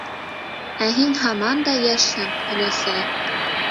Ә һин һаман да йәшһең, өләсәй!